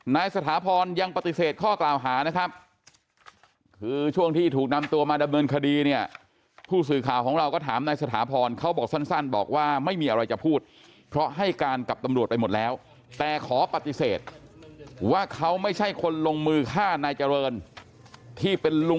ล่าสุดวันนี้ตำรวจจับกลุ่มตัวนายสถาพรในข้อหาค่าผู้อื่นไปจับนายสถาพรในข้อหาค่าผู้อื่นไปจับนายสถาพรในข้อหาค่าผู้อื่นไปจับนายสถาพรในข้อหาค่าผู้อื่นไปจับนายสถาพรในข้อหาค่าผู้อื่นไปจับนายสถาพรในข้อหาค่าผู้อื่นไปจับนายสถาพรในข้อหาผู้อื่นไปจับนายสถาพรในข้อหาผู้